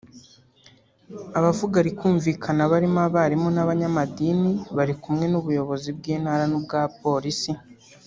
abavuga rikumvikana barimo abarimu n’abanyamadini bari kumwe n’ubuyobozi bw’Intara n’ubwa Polisi